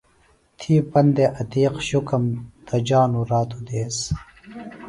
تھی پندے عتیقؔ، شُکم دجانوۡ رات و دیس۔